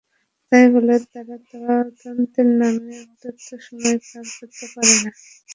তাই বলে তারা তদন্তের নামে অনন্ত সময় পার করতে পারে না।